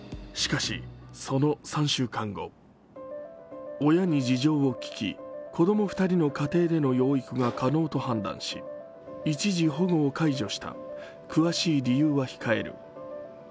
しかし、その３週間後、親に事情を聞き、子供２人の家庭での養育が可能と判断し、一時保護を解除した詳しい理由は控える。